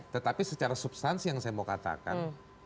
tetapi secara substansi yang saya mau katakan